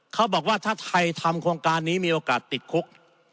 เขาบอกว่าถ้าไทยทำโครงการนี้มีโอกาสติดคุก